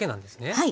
はい。